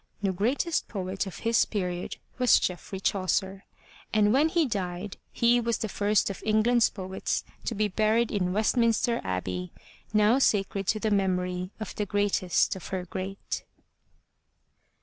The greatest poet of his period was Geoffrey Chaucer, and when he died he was the first of England's poets to be buried in Westminster Abbey, now sacred to the memory of the greatest of her great.